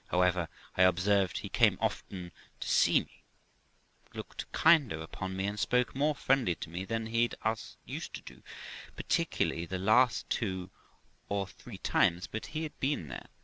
However, I observed he came oftener to see me, looked kinder trpon me, and spoke more friendly to me, than he used to do, particularly the last two or three times he had been there.